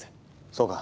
そうか。